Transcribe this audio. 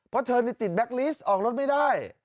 เพราะเธอติดแก๊กลิสต์ออกรถไม่ได้